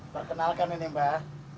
perkenalkan ini mbak